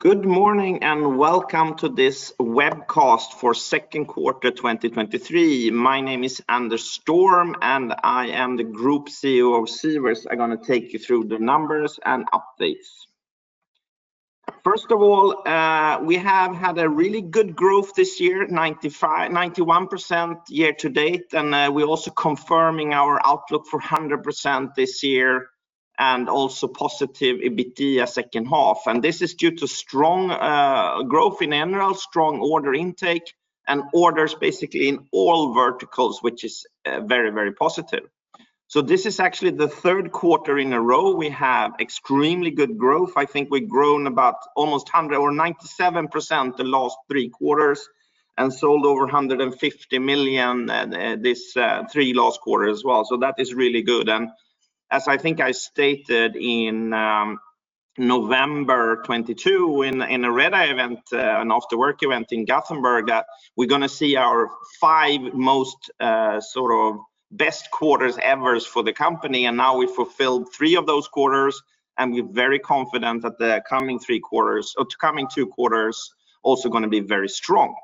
Good morning, and welcome to this webcast for second quarter 2023. My name is Anders Storm, and I am the Group CEO of Sivers. I'm going to take you through the numbers and updates. First of all, we have had a really good growth this year, 91% year to date, and we're also confirming our outlook for 100% this year and also positive EBITDA second half. This is due to strong growth in general, strong order intake, and orders basically in all verticals, which is very, very positive. This is actually the third quarter in a row we have extremely good growth. I think we've grown about almost 100% or 97% the last three quarters and sold over 150 million this three last quarters as well. That is really good. As I think I stated in November 2022 in a Redeye event, an after-work event in Gothenburg, that we're going to see our five most sort of best quarters ever for the company, and now we've fulfilled three of those quarters, and we're very confident that the coming three quarters or coming two quarters also going to be very strong.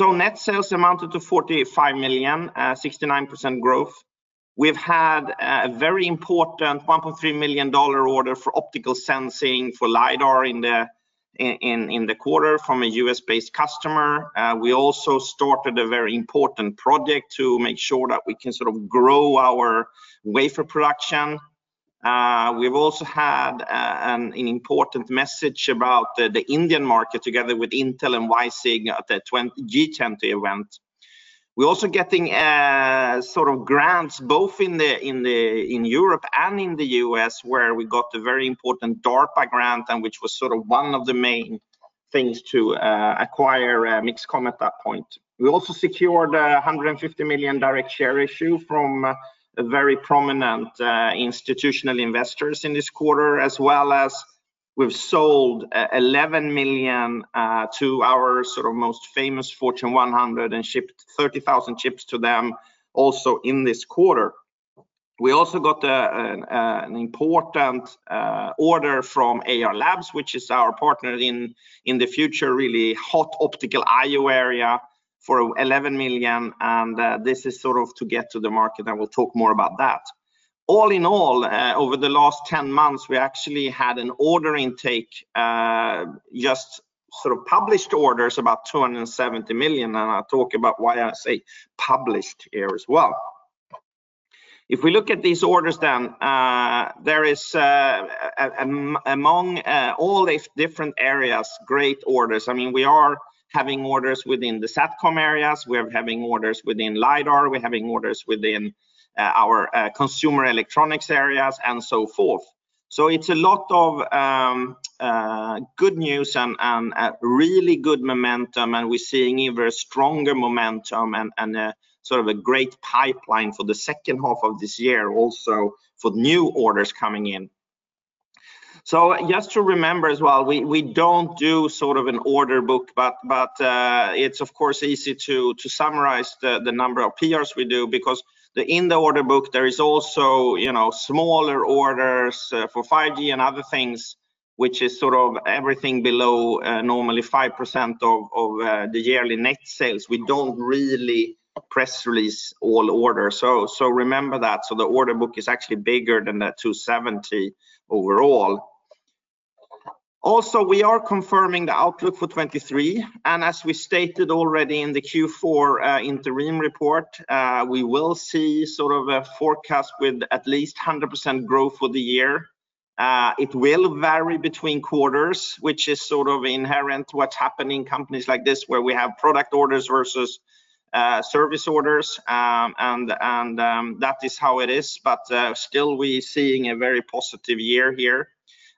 Net sales amounted to $45 million, 69% growth. We've had a very important $1.3 million order for optical sensing for LiDAR in the quarter from a U.S.-based customer. We also started a very important project to make sure that we can sort of grow our wafer production. We've also had an important message about the Indian market together with Intel and WiSig at the G20 event. We're also getting sort of grants, both in Europe and in the U.S., where we got a very important DARPA grant, and which was sort of one of the main things to acquire MixComm at that point. We also secured 150 million direct share issue from a very prominent institutional investors in this quarter, as well as we've sold 11 million to our sort of most famous Fortune 100 and shipped 30,000 chips to them also in this quarter. We also got an important order from Ayar Labs, which is our partner in the future, really hot Optical I/O area for 11 million, and this is sort of to get to the market, and we'll talk more about that. All in all, over the last 10 months, we actually had an order intake, just sort of published orders, about 270 million, and I'll talk about why I say published here as well. If we look at these orders, there is among all these different areas, great orders. I mean, we are having orders within the SATCOM areas. We are having orders within LiDAR, we're having orders within our consumer electronics areas and so forth. It's a lot of good news and really good momentum, and we're seeing even a stronger momentum and a sort of a great pipeline for the second half of this year, also for new orders coming in. Just to remember as well, we, we don't do sort of an order book, but, but, it's of course, easy to, to summarize the, the number of PRs we do, because in the order book, there is also, you know, smaller orders, for 5G and other things, which is sort of everything below, normally 5% of the yearly net sales. We don't really press release all orders. Remember that. The order book is actually bigger than the 270 overall. We are confirming the outlook for 2023, and as we stated already in the Q4, interim report, we will see sort of a forecast with at least 100% growth for the year. It will vary between quarters, which is sort of inherent what's happening in companies like this, where we have product orders versus service orders, that is how it is. Still, we're seeing a very positive year here.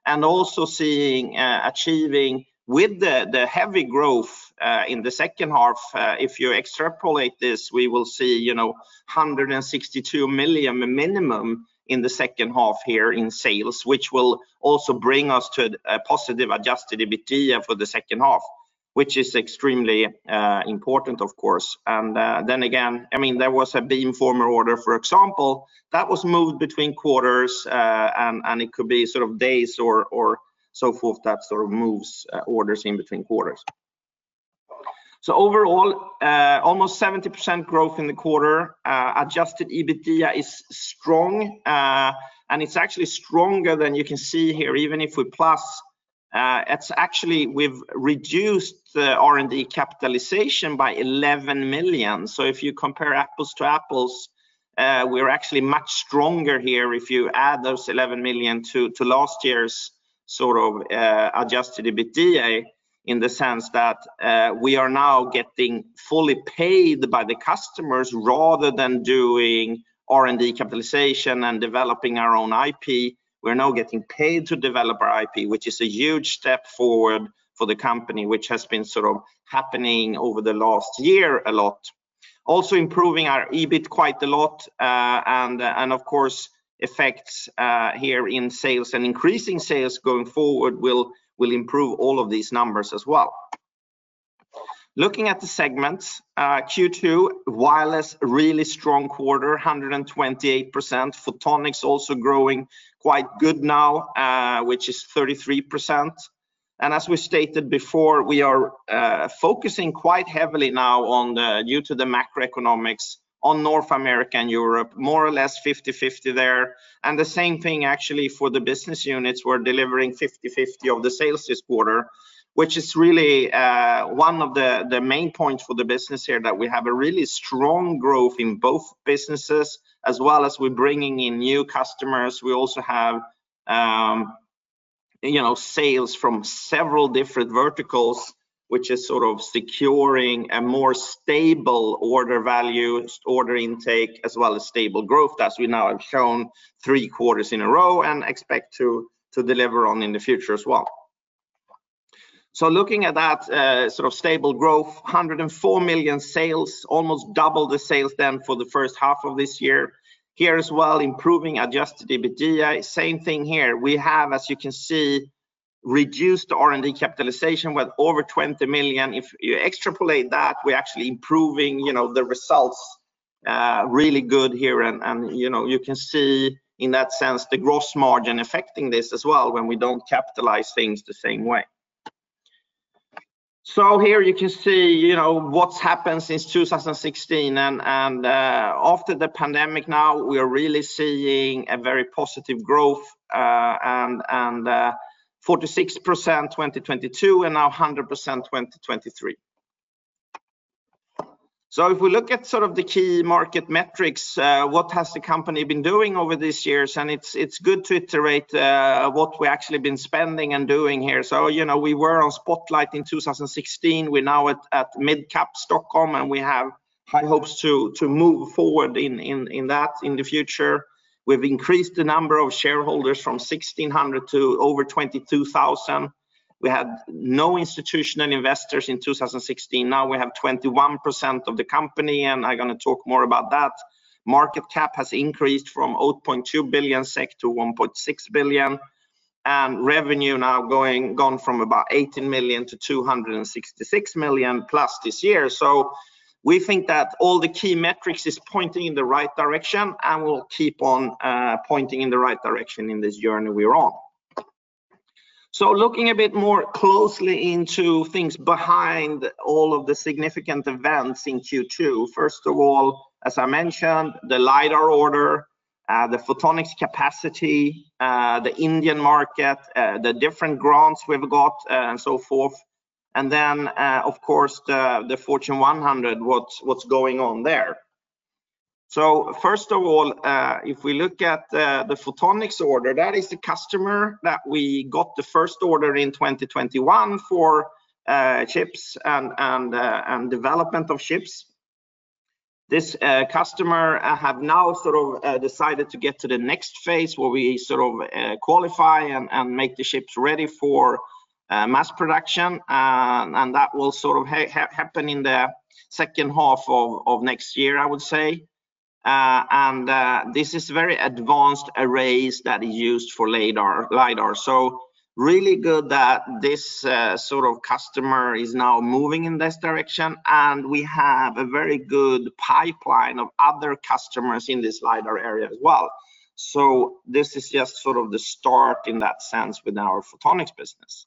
Also seeing achieving with the heavy growth in the second half, if you extrapolate this, we will see, you know, 162 million minimum in the second half here in sales, which will also bring us to a positive adjusted EBITDA for the second half, which is extremely important, of course. Then again, I mean, there was a beamformer order, for example, that was moved between quarters, and it could be sort of days or so forth, that sort of moves orders in between quarters. Overall, almost 70% growth in the quarter. Adjusted EBITDA is strong, and it's actually stronger than you can see here, even if we plus, it's actually we've reduced the R&D capitalization by 11 million. If you compare apples to apples, we're actually much stronger here if you add those 11 million to, to last year's sort of, adjusted EBITDA, in the sense that, we are now getting fully paid by the customers rather than doing R&D capitalization and developing our own IP. We're now getting paid to develop our IP, which is a huge step forward for the company, which has been sort of happening over the last year a lot. Also improving our EBIT quite a lot, and of course, effects, here in sales and increasing sales going forward will improve all of these numbers as well. Looking at the segments, Q2, wireless, really strong quarter, 128%. Photonics also growing quite good now, which is 33%. As we stated before, we are, focusing quite heavily now on the, due to the macroeconomics, on North America and Europe, more or less 50/50 there. The same thing actually for the business units, we're delivering 50/50 of the sales this quarter, which is really one of the main points for the business here, that we have a really strong growth in both businesses, as well as we're bringing in new customers. We also have, you know, sales from several different verticals, which is sort of securing a more stable order value, order intake, as well as stable growth, as we now have shown three quarters in a row and expect to deliver on in the future as well. Looking at that, sort of stable growth, 104 million sales, almost double the sales then for the first half of this year. Here as well, improving adjusted EBITDA. Same thing here. We have, as you can see, reduced R&D capitalization with over 20 million. If you extrapolate that, we're actually improving, you know, the results really good here. And you know, you can see in that sense, the gross margin affecting this as well when we don't capitalize things the same way. Here you can see, you know, what's happened since 2016 after the pandemic now, we are really seeing a very positive growth, 46% 2022, and now 100% 2023. If we look at sort of the key market metrics, what has the company been doing over these years? It's, it's good to iterate what we actually been spending and doing here. You know, we were on Spotlight in 2016. We're now at Mid Cap Stockholm, and we have high hopes to move forward in that in the future. We've increased the number of shareholders from 1,600 to over 22,000. We had no institutional investors in 2016. Now we have 21% of the company. I'm going to talk more about that. Market cap has increased from 0.2 billion-1.6 billion SEK. Revenue gone from about 18 million-266 million plus this year. We think that all the key metrics is pointing in the right direction and will keep on pointing in the right direction in this journey we're on. Looking a bit more closely into things behind all of the significant events in Q2. First of all, as I mentioned, the LiDAR order, the photonics capacity, the Indian market, the different grants we've got, and so forth. Then, of course, the Fortune 100, what's, what's going on there? First of all, if we look at the, the photonics order, that is the customer that we got the first order in 2021 for chips and, and development of chips. This customer have now sort of decided to get to the next phase, where we sort of qualify and make the chips ready for mass production. And that will sort of happen in the second half of next year, I would say. And this is very advanced arrays that is used for LiDAR, LiDAR. Really good that this sort of customer is now moving in this direction, and we have a very good pipeline of other customers in this LiDAR area as well. This is just sort of the start in that sense with our photonics business.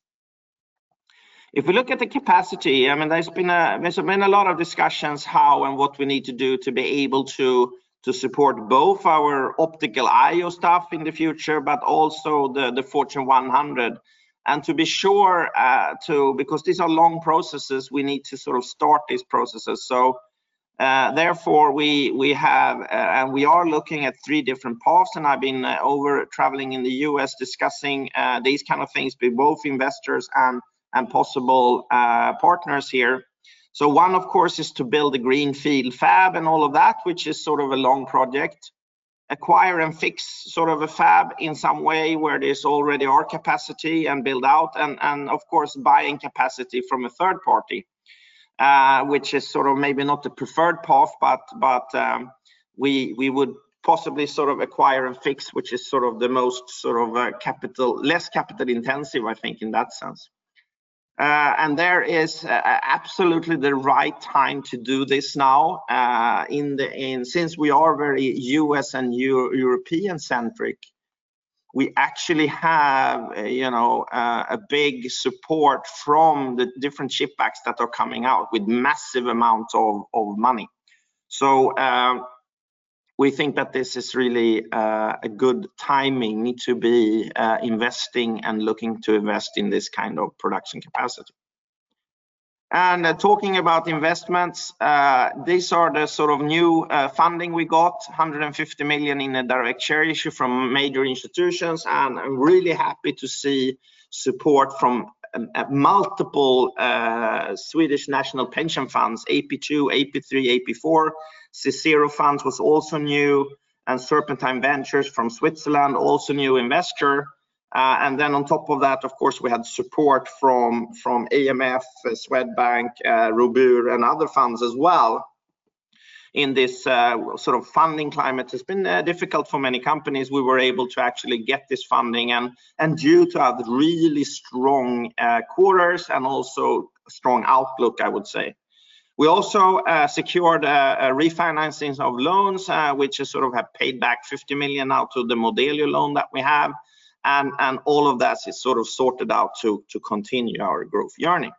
If we look at the capacity, I mean, there's been a lot of discussions, how and what we need to do to be able to support both our Optical I/O stuff in the future, but also the Fortune 100. To be sure, because these are long processes, we need to sort of start these processes. Therefore, we have and we are looking at three different paths. I've been over traveling in the U.S. discussing these kind of things with both investors and possible partners here. One, of course, is to build a greenfield fab and all of that, which is sort of a long project, acquire and fix sort of a fab in some way where there's already our capacity and build out, and, of course, buying capacity from a third party, which is sort of maybe not the preferred path, but, but, we, we would possibly sort of acquire and fix, which is sort of the most sort of, capital- less capital-intensive, I think, in that sense. There is absolutely the right time to do this now. In the end, since we are very U.S. and European centric, we actually have a, you know, a big support from the different CHIPS Act that are coming out with massive amounts of money. We think that this is really a good timing, need to be investing and looking to invest in this kind of production capacity. talking about investments, these are the sort of new funding we got, 150 million in a direct share issue from major institutions. I'm really happy to see support from a multiple Swedish National Pension Funds, AP2, AP3, AP4. Cicero Fonder was also new, and Serpentine Ventures from Switzerland, also new investor. on top of that, of course, we had support from AMF, Swedbank, Robur, and other funds as well. in this sort of funding climate has been difficult for many companies. We were able to actually get this funding and due to have really strong quarters and also strong outlook, I would say. We also secured a refinancings of loans, which is sort of have paid back 50 million now to the Modelio loan that we have, and all of that is sort of sorted out to continue our growth journey.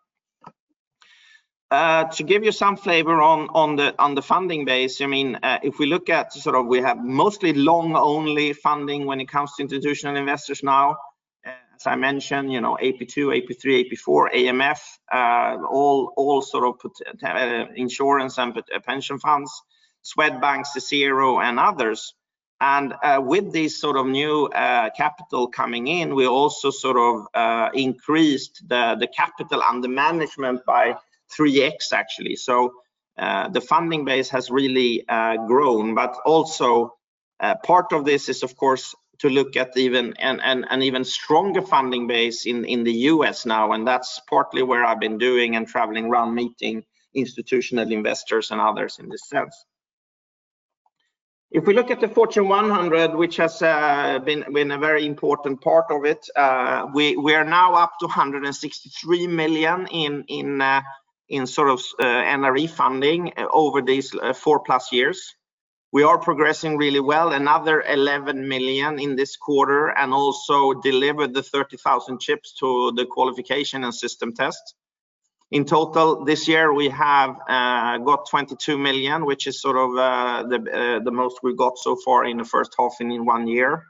To give you some flavor on, on the, on the funding base, I mean, if we look at sort of we have mostly long only funding when it comes to institutional investors now, as I mentioned, you know, AP2, AP3, AP4, AMF, all sort of put insurance and pension funds, Swedbank, Cicero, and others. With this sort of new capital coming in, we also sort of increased the capital and the management by 3x, actually. The funding base has really grown. Also, part of this is, of course, to look at an even stronger funding base in the U.S. now, and that's partly where I've been doing and traveling around, meeting institutional investors and others in this sense. If we look at the Fortune 100, which has been a very important part of it, we are now up to $163 million in NRE funding over these 4+ years. We are progressing really well, another $11 million in this quarter, and also delivered the 30,000 chips to the qualification and system test. In total, this year, we have got $22 million, which is sort of the most we got so far in the first half and in one year.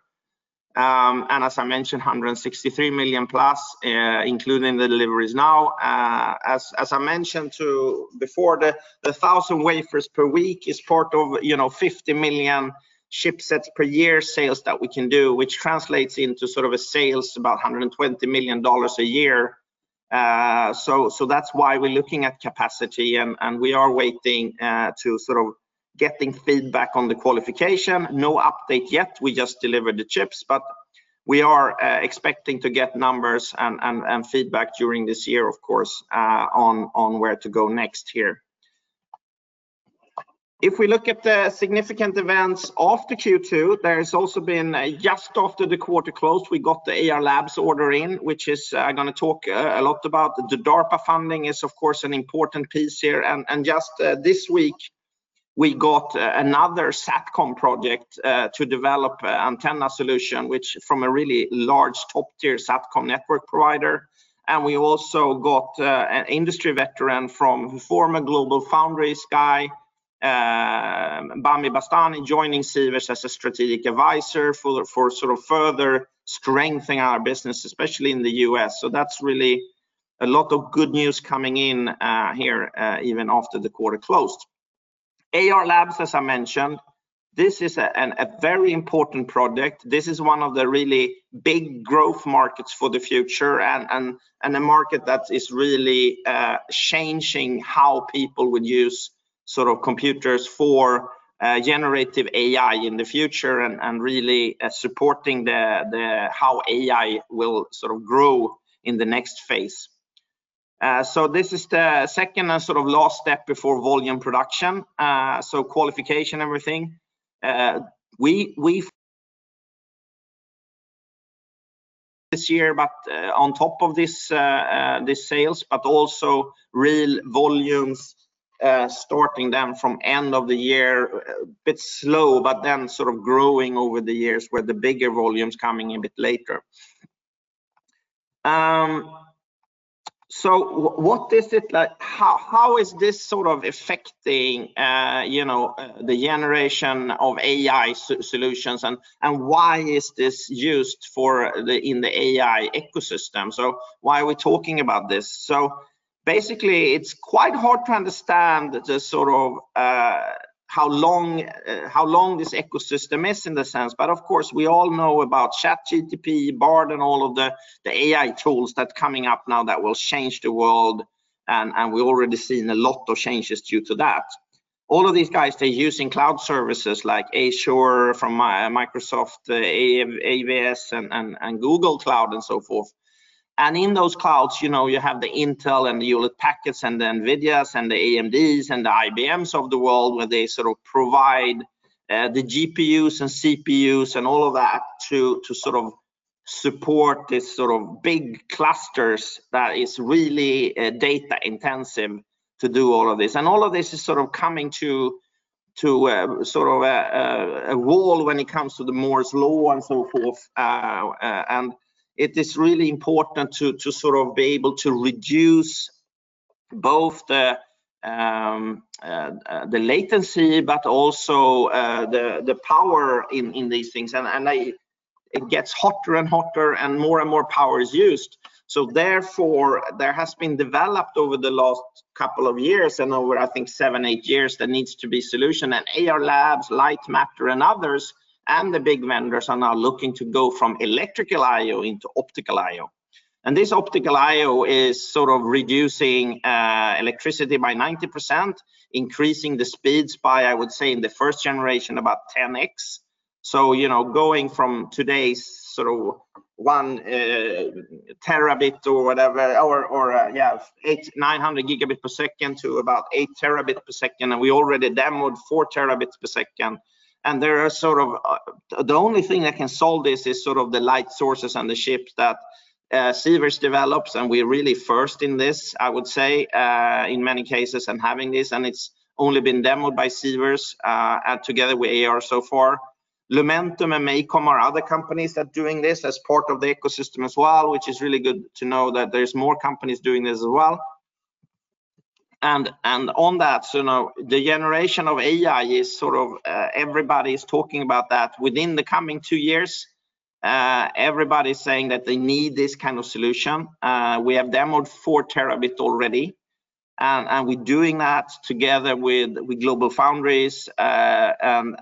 Um, and as I mentioned, $163 million plus, uh, including the deliveries now. Uh, as, as I mentioned to before, the, the thousand wafers per week is part of, you know, 50 million chipsets per year sales that we can do, which translates into sort of a sales about $120 million a year. Uh, so, so that's why we're looking at capacity, and, and we are waiting, uh, to sort of getting feedback on the qualification. No update yet. We just delivered the chips, but we are, uh, expecting to get numbers and, and, and feedback during this year, of course, uh, on, on where to go next here. If we look at the significant events of the Q2, there's also been, just after the quarter closed, we got the Ayar Labs order in, which is, uh, I'm going to talk a lot about. The DARPA funding is, of course, an important piece here. Just this week, we got another SATCOM project to develop an antenna solution, which from a really large top-tier SATCOM network provider. We also got an industry veteran from former GlobalFoundries guy, Bami Bastani, joining Sivers as a strategic advisor for sort of further strengthening our business, especially in the U.S.. That's really a lot of good news coming in even after the quarter closed. Ayar Labs, as I mentioned, this is a very important project. This is one of the really big growth markets for the future and, and, and a market that is really, changing how people would use sort of computers for generative AI in the future and, and really supporting the, the, how AI will sort of grow in the next phase. This is the second and sort of last step before volume production. Qualification, everything. We this year, but, on top of this, this sales, but also real volumes, starting them from end of the year, a bit slow, but then sort of growing over the years where the bigger volumes coming in a bit later. What is it like? How, how is this sort of affecting, you know, the generation of AI solutions, and, and why is this used for, in the AI ecosystem? Why are we talking about this? Basically, it's quite hard to understand the sort of, how long, how long this ecosystem is in the sense. Of course, we all know about ChatGPT, Bard, and all of the, the AI tools that coming up now that will change the world, and, and we already seen a lot of changes due to that. All of these guys, they're using cloud services like Azure from Microsoft, AWS, and, and, and Google Cloud and so forth. In those clouds, you know, you have the Intel and the Hewlett-Packard and the NVIDIA, and the AMD, and the IBM of the world, where they sort of provide, the GPUs and CPUs and all of that to, to sort of support this sort of big clusters that is really, data-intensive to do all of this. All of this is sort of coming to, to, sort of, a wall when it comes to the Moore's Law and so forth. It is really important to, to sort of be able to reduce both the, the latency, but also, the, the power in, in these things. It gets hotter and hotter, and more and more power is used. Therefore, there has been developed over the last couple of years and over, I think, seven, eight years, there needs to be solution. Ayar Labs, Lightmatter, and others, and the big vendors are now looking to go from Electrical I/O into Optical I/O. This Optical I/O is sort of reducing electricity by 90%, increasing the speeds by, I would say, in the first generation, about 10x. You know, going from today's sort of 1 Tb or whatever, or, or, yeah, 800-900 Gb per second to about 8 Tb per second, and we already demoed 4 Tb per second. There are sort of, the only thing that can solve this is sort of the light sources on the chip that Sivers develops, and we're really first in this, I would say, in many cases, in having this, and it's only been demoed by Sivers and together with Ayar so far. Lumentum and MACOM are other companies that are doing this as part of the ecosystem as well, which is really good to know that there's more companies doing this as well. On that, so now the generation of AI is sort of, everybody's talking about that. Within the coming two years, everybody is saying that they need this kind of solution. We have demoed 4 Tb already, and we're doing that together with GlobalFoundries, and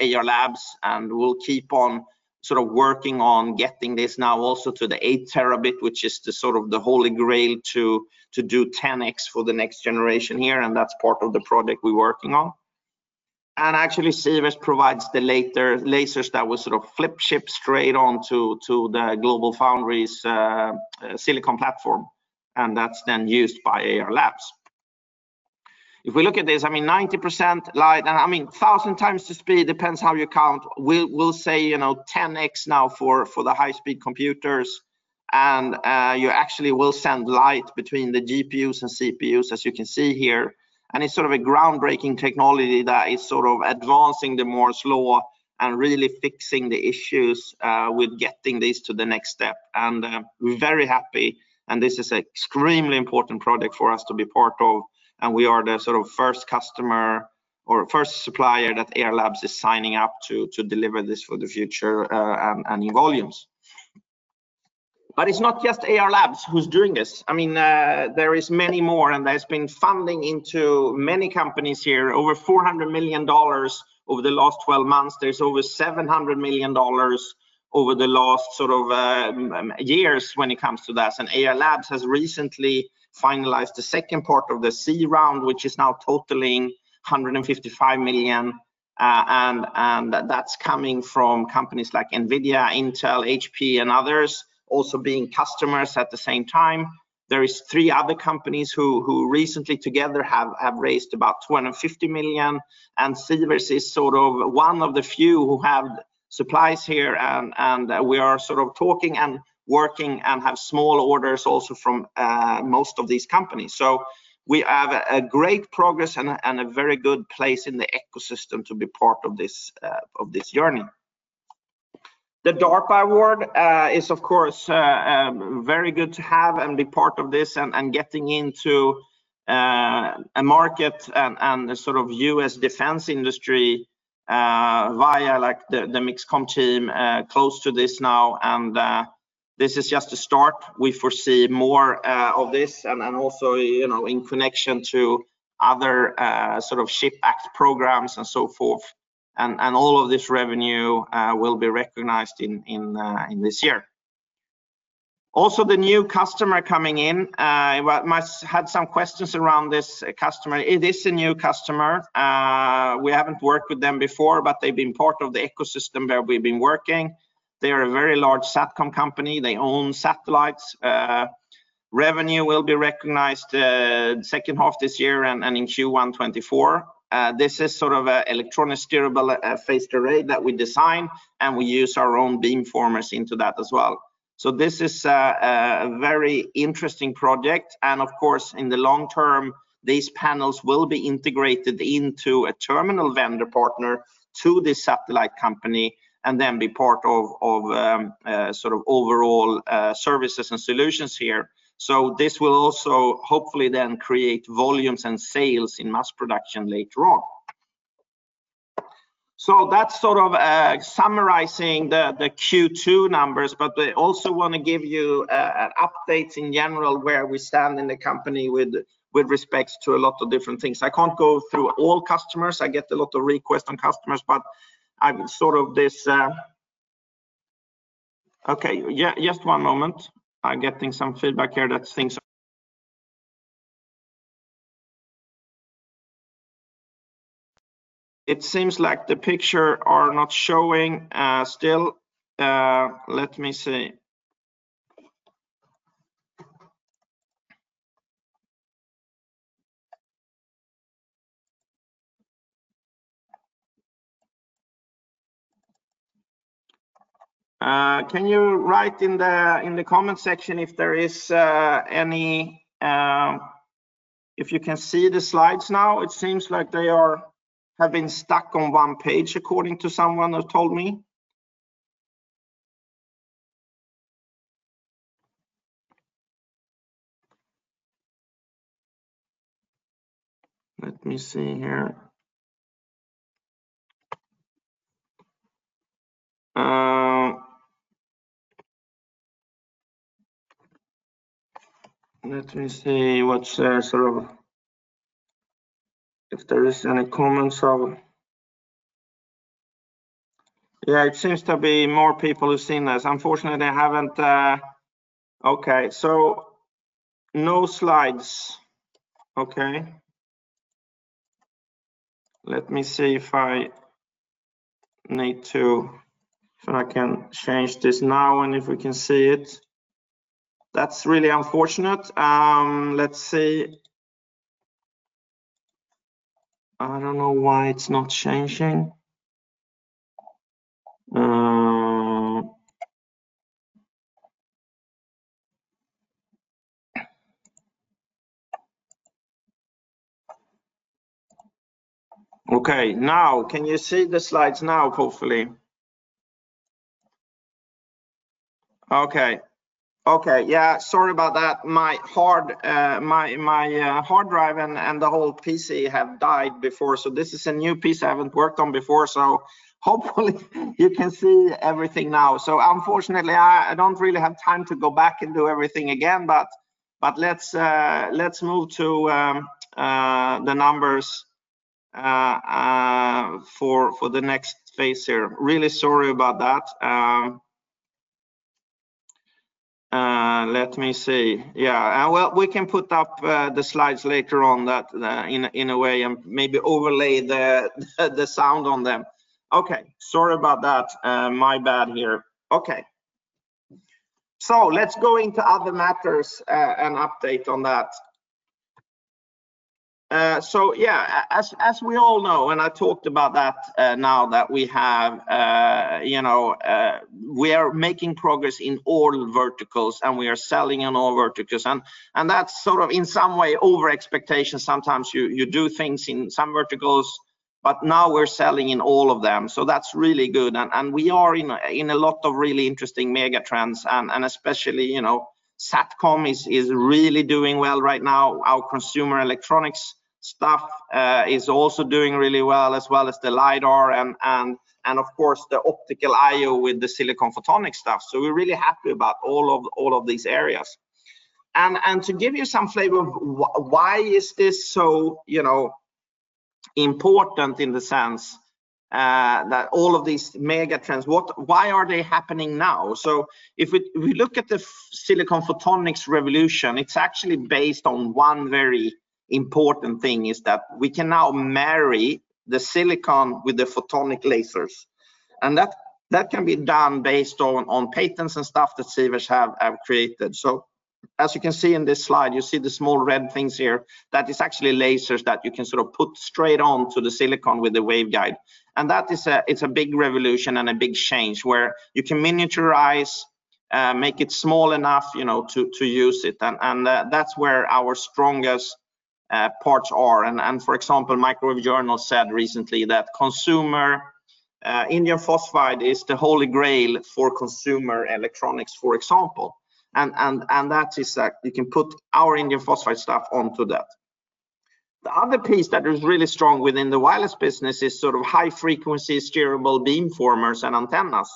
Ayar Labs, and we'll keep on sort of working on getting this now also to the 8 Tb, which is the sort of the Holy Grail to do 10x for the next generation here, and that's part of the project we're working on. Actually, Sivers provides the lasers that will sort of flip chip straight on to the GlobalFoundries silicon platform, and that's then used by Ayar Labs. If we look at this, 90% light, 1,000x the speed, depends how you count. We'll say, you know, 10x now for the high-speed computers, you actually will send light between the GPUs and CPUs, as you can see here. It's sort of a groundbreaking technology that is sort of advancing the Moore's Law and really fixing the issues with getting this to the next step. We're very happy, and this is an extremely important project for us to be part of, and we are the sort of first customer or first supplier that Ayar Labs is signing up to, to deliver this for the future and in volumes. It's not just Ayar Labs who's doing this. I mean, there is many more, and there's been funding into many companies here, over $400 million over the last 12 months. There's over $700 million over the last sort of years when it comes to this. Ayar Labs has recently finalized the second part of the C round, which is now totaling $155 million, and that's coming from companies like NVIDIA, Intel, HP, and others, also being customers at the same time. There is three other companies who recently together have raised about $250 million, and Sivers is sort of one of the few who have supplies here, and we are sort of talking and working and have small orders also from most of these companies. We have a great progress and a very good place in the ecosystem to be part of this journey. The DARPA award is of course very good to have and be part of this and getting into a market and the sort of U.S. defense industry via like the MixComm team close to this now, and this is just a start. We foresee more of this, and also, you know, in connection to other sort of CHIPS Act programs and so forth. All of this revenue will be recognized in this year. Also, the new customer coming in, well, might had some questions around this customer. It is a new customer. We haven't worked with them before, but they've been part of the ecosystem where we've been working. They are a very large SATCOM company. They own satellites. Revenue will be recognized, second half this year and, and in Q1 2024. This is sort of a electronically steerable phased array that we design, and we use our own beamformers into that as well. This is a very interesting project, and of course, in the long term, these panels will be integrated into a terminal vendor partner to this satellite company and then be part of, of, sort of overall, services and solutions here. This will also hopefully then create volumes and sales in mass production later on. That's sort of summarizing the Q2 numbers, but I also want to give you an update in general where we stand in the company with respect to a lot of different things. I can't go through all customers. I get a lot of requests on customers, but I'm sort of this... Okay, yeah, just one moment. I'm getting some feedback here that things are, It seems like the picture are not showing still. Let me see. Can you write in the, in the comment section if there is any if you can see the slides now? It seems like they are, have been stuck on one page, according to someone who told me. Let me see here. Let me see what's sort of, if there is any comments or... Yeah, it seems to be more people who've seen this. Unfortunately, I haven't... Okay. No slides. Okay. Let me see if I need to, if I can change this now and if we can see it. That's really unfortunate. Let's see. I don't know why it's not changing. Okay, now can you see the slides now, hopefully? Okay. Okay. Yeah, sorry about that. My hard, my, my, hard drive and, and the whole PC have died before, so this is a new PC I haven't worked on before, so hopefully you can see everything now. Unfortunately, I, I don't really have time to go back and do everything again, but, but let's, let's move to, the numbers, for, for the next phase here. Really sorry about that. Let me see. Yeah, well, we can put up, the slides later on that, in a, in a way, and maybe overlay the, the sound on them. Okay. Sorry about that. My bad here. Okay. Let's go into other matters, and update on that. So yeah, as, as we all know, I talked about that, now that we have, you know, we are making progress in all verticals, we are selling in all verticals. That's sort of, in some way, over expectation. Sometimes you, you do things in some verticals, but now we're selling in all of them, so that's really good. We are in a, in a lot of really interesting mega trends, especially, you know, SATCOM is, is really doing well right now. Our consumer electronics stuff, is also doing really well, as well as the LiDAR and, and, and of course, the Optical I/O with the silicon photonics stuff. We're really happy about all of, all of these areas. To give you some flavor of why is this so, you know, important in the sense that all of these mega trends, why are they happening now? If we, we look at the silicon photonics revolution, it's actually based on one very important thing, is that we can now marry the silicon with the photonic lasers. That, that can be done based on patents and stuff that Sivers have created. As you can see in this slide, you see the small red things here, that is actually lasers that you can sort of put straight on to the silicon with the waveguide. That is a, it's a big revolution and a big change, where you can miniaturize, make it small enough, you know, to use it. That's where our strongest parts are. For example, Microwave Journal said recently that consumer, indium phosphide is the Holy Grail for consumer electronics, for example. That is, you can put our indium phosphide stuff onto that. The other piece that is really strong within the wireless business is sort of high-frequency, steerable beamformers and antennas.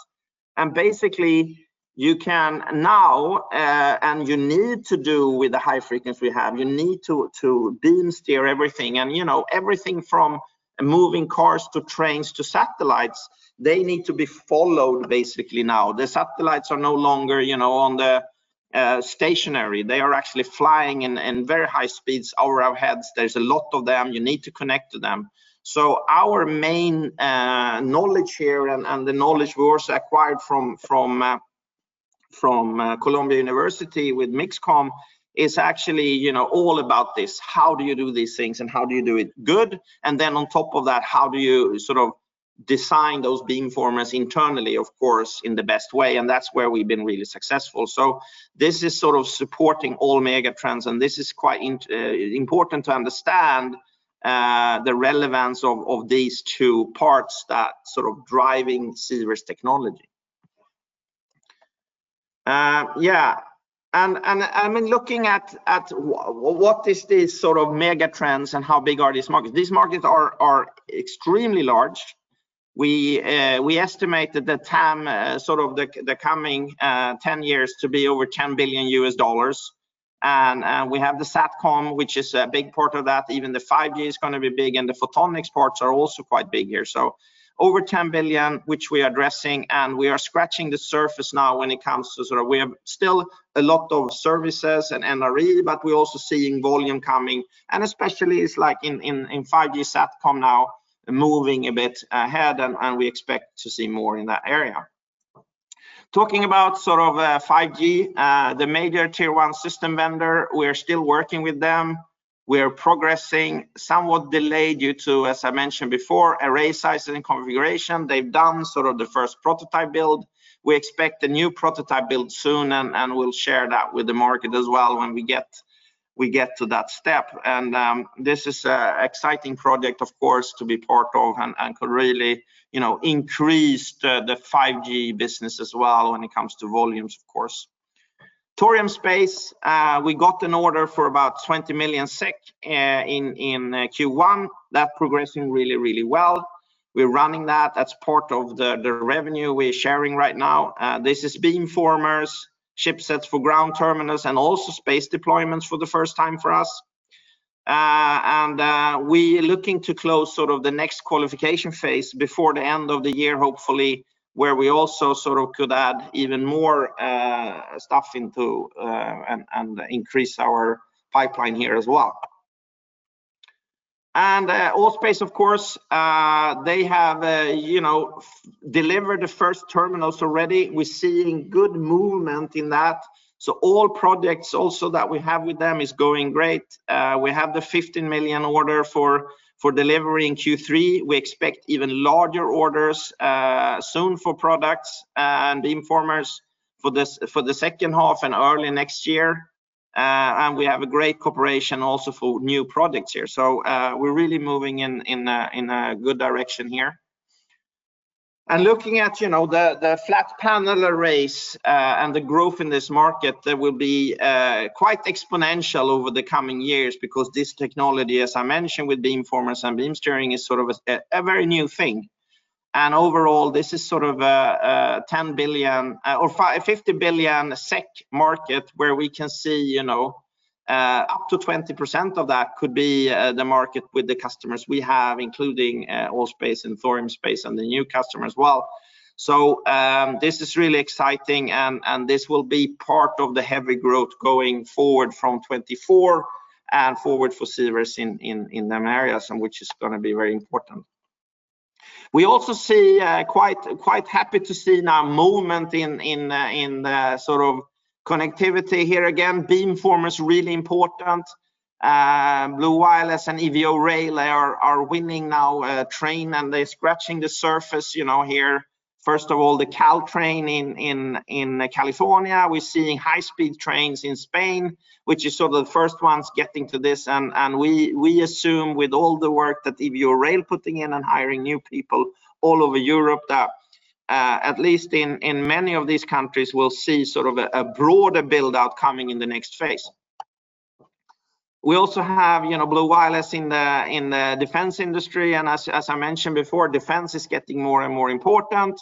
Basically, you can now, and you need to do with the high frequency we have, you need to, to beam steer everything. You know, everything from moving cars to trains to satellites, they need to be followed basically now. The satellites are no longer, you know, on the stationary. They are actually flying in, in very high speeds over our heads. There's a lot of them. You need to connect to them. Our main knowledge here, and the knowledge we also acquired from Columbia University with MixComm, is actually, you know, all about this. How do you do these things, and how do you do it good? Then on top of that, how do you sort of design those beamformers internally, of course, in the best way? That's where we've been really successful. This is sort of supporting all mega trends, and this is quite important to understand the relevance of these two parts that sort of driving Sivers technology. Looking at what is this sort of mega trends and how big are these markets? These markets are extremely large. We, we estimate that the TAM, sort of the, the coming, 10 years to be over $10 billion. We have the SATCOM, which is a big part of that. Even the five year is gonna be big, and the photonics parts are also quite big here. Over $10 billion, which we are addressing, and we are scratching the surface now when it comes to... Sort of we have still a lot of services and NRE, but we're also seeing volume coming, and especially it's like in, in, in five years, SATCOM now moving a bit ahead, and, and we expect to see more in that area. Talking about sort of, 5G, the major Tier-1 system vendor, we are still working with them. We are progressing, somewhat delayed due to, as I mentioned before, array sizes and configuration. They've done sort of the first prototype build. We expect a new prototype build soon, and we'll share that with the market as well when we get to that step. This is a exciting project, of course, to be part of and could really, you know, increase the 5G business as well when it comes to volumes, of course. Thorium Space, we got an order for about 20 million SEK in Q1. That progressing really, really well. We're running that. That's part of the revenue we're sharing right now. This is beamformers, chipsets for ground terminals, and also space deployments for the first time for us.... We are looking to close sort of the next qualification phase before the end of the year, hopefully, where we also sort of could add even more stuff into and increase our pipeline here as well. ALL.SPACE, of course, you know, they have delivered the first terminals already. We're seeing good movement in that. All projects also that we have with them is going great. We have the $15 million order for delivery in Q3. We expect even larger orders soon for products and beamformers for this, for the second half and early next year. We have a great cooperation also for new products here. We're really moving in a good direction here. Looking at, you know, the, the flat panel arrays, and the growth in this market, that will be quite exponential over the coming years, because this technology, as I mentioned, with beamformers and beam steering, is sort of a very new thing. Overall, this is sort of a 10 billion, or 50 billion SEK market, where we can see, you know, up to 20% of that could be the market with the customers we have, including ALL.SPACE and Thorium Space and the new customer as well. This is really exciting, and this will be part of the heavy growth going forward from 2024 and forward for Sivers in them areas, and which is going to be very important. We also see quite, quite happy to see now movement in, in the sort of connectivity here. Again, beamformers, really important. Blue Wireless and EVO Rail are, are winning now train, and they're scratching the surface, you know, here. First of all, the Caltrain in, in, in California. We're seeing high-speed trains in Spain, which is so the first ones getting to this. We, we assume with all the work that EVO Rail putting in and hiring new people all over Europe, that at least in, in many of these countries, we'll see sort of a, a broader build-out coming in the next phase. We also have, you know, Blue Wireless in the, in the defense industry, and as, as I mentioned before, defense is getting more and more important,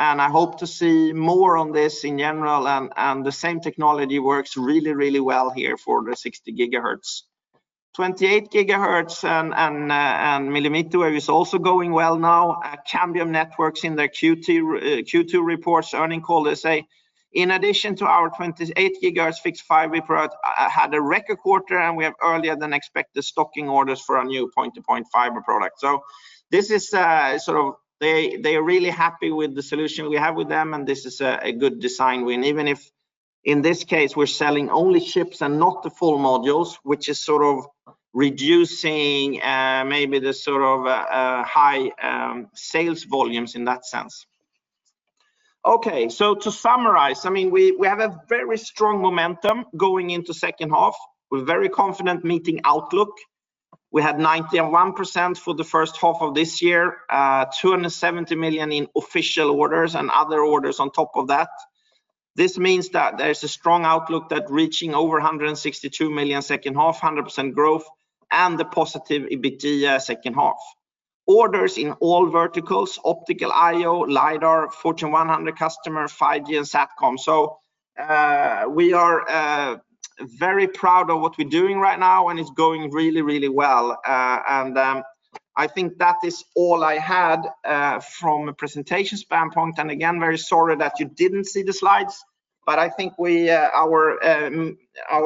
and I hope to see more on this in general. The same technology works really, really well here for the 60 GHz. 28 GHz and millimeter wave is also going well now. At Cambium Networks in their Q2 reports earnings call, they say, "In addition to our 28 GHz fixed five report, had a record quarter, and we have earlier than expected stocking orders for our new point-to-point fiber product." This is sort of they, they are really happy with the solution we have with them, and this is a good design win. Even if, in this case, we're selling only chips and not the full modules, which is sort of reducing maybe the sort of high sales volumes in that sense. To summarize, I mean, we, we have a very strong momentum going into second half. We're very confident meeting outlook. We had 91% for the first half of this year, 270 million in official orders and other orders on top of that. This means that there is a strong outlook that reaching over 162 million second half, 100% growth, and the positive EBITDA second half. Orders in all verticals, Optical I/O, LiDAR, Fortune 100 customer, five years SATCOM. We are very proud of what we're doing right now, and it's going really, really well. I think that is all I had from a presentation standpoint. Again, very sorry that you didn't see the slides, but I think we, our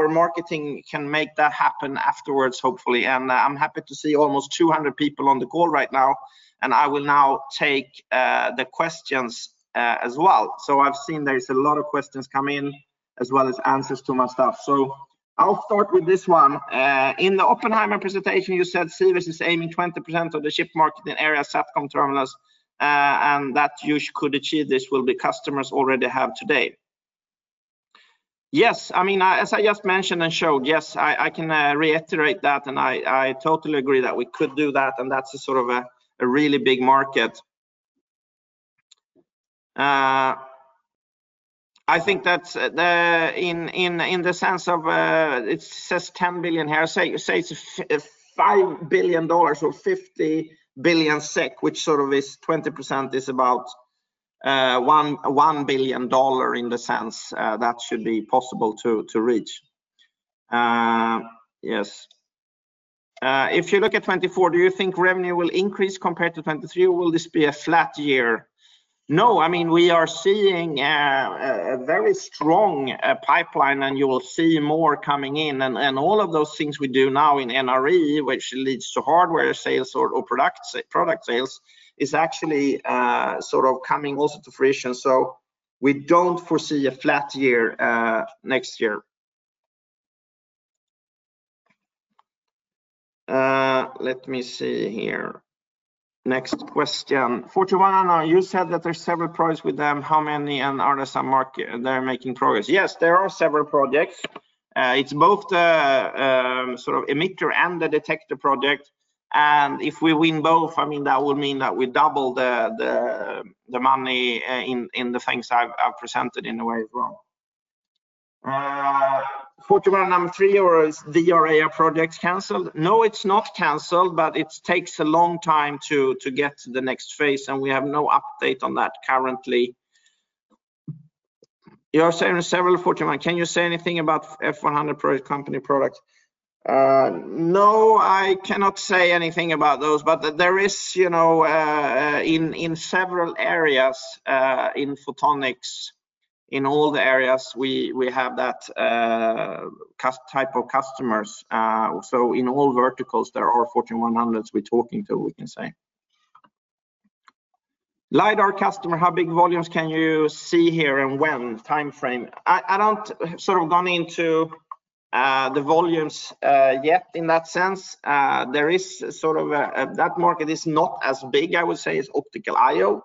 marketing can make that happen afterwards, hopefully. I'm happy to see almost 200 people on the call right now, and I will now take the questions as well. I've seen there is a lot of questions come in, as well as answers to my stuff. I'll start with this one. In the Oppenheimer presentation, you said Cerius is aiming 20% of the chip market in area SATCOM terminals, and that you could achieve this will be customers already have today. Yes, I mean, as I just mentioned and showed, yes, I, I can reiterate that, and I, I totally agree that we could do that, and that's a sort of a really big market. I think that's in the sense of, it says 10 billion here, say it's $5 billion or 50 billion SEK, which sort of is 20%, is about $1 billion, in the sense that should be possible to reach. Yes. If you look at 2024, do you think revenue will increase compared to 2023, or will this be a flat year? No, I mean, we are seeing a very strong pipeline, and you will see more coming in. All of those things we do now in NRE, which leads to hardware sales or product sales, is actually sort of coming also to fruition. We don't foresee a flat year next year. Let me see here. Next question. Fortune 100, you said that there are several products with them, how many? Are there some market- they're making progress? Yes, there are several projects. It's both the sort of emitter and the detector project. If we win both, I mean, that would mean that we double the money in the things I've presented in a way as well. Fortune 100, number three, or is the array projects canceled? No, it's not canceled, but it takes a long time to get to the next phase, and we have no update on that currently. You are saying several Fortune 100. Can you say anything about Fortune 100 product, company products? No, I cannot say anything about those. There is, you know, in several areas, in photonics, in all the areas we, we have that type of customers. In all verticals, there are Fortune 100s we're talking to, we can say. LiDAR customer, how big volumes can you see here and when, time frame? I, I don't sort of gone into the volumes yet in that sense. There is sort of a, that market is not as big, I would say, as optical I/O,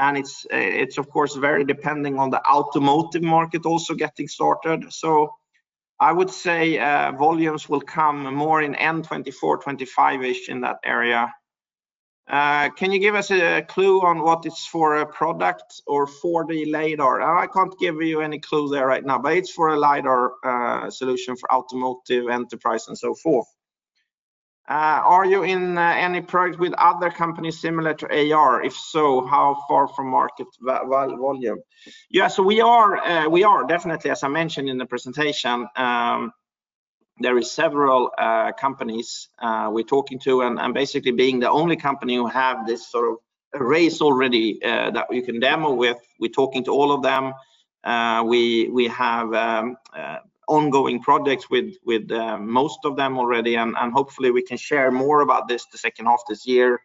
and it's, it's, of course, very depending on the automotive market also getting started. I would say, volumes will come more in end 2024, 2025-ish in that area. Can you give us a clue on what it's for a product or for the LiDAR? I can't give you any clue there right now, but it's for a LiDAR solution for automotive, enterprise, and so forth. Are you in any product with other companies similar to AR? If so, how far from market volume? Yes, we are, we are definitely, as I mentioned in the presentation, there is several companies we're talking to, and basically being the only company who have this sort of race already that we can demo with. We're talking to all of them. We, we have ongoing products with, with most of them already, and hopefully we can share more about this the second half this year,